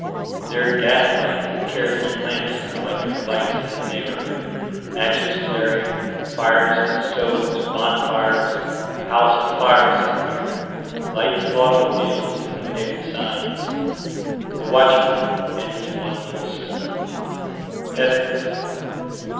There are gas lights and kerosene lamps and electric lights in the neighborhood: matches flaring, fires in stoves, bonfires, house afire somewhere; lights of automobiles, illuminated signs The watchman and his one little system. Ethics.